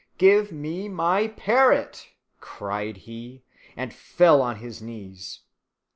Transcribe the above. "Give me my parrot!" cried he, and fell on his knees.